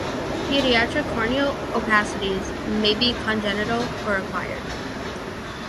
Pediatric corneal opacities may be congenital or acquired.